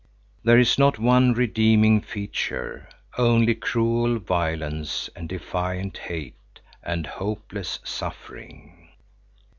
There is not one redeeming feature, only cruel violence and defiant hate and hopeless suffering.